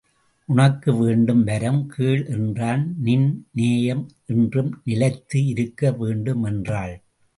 உனக்கு வேண்டும் வரம் கேள் என்றான் நின் நேயம் என்றும் நிலைத்து இருக்க வேண்டும் என்றாள்.